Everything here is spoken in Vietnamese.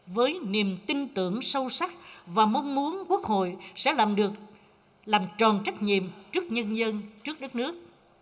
với niềm tin tưởng sâu sắc và mong muốn quốc hội sẽ làm được làm tròn trách nhiệm trước nhân dân trước đất nước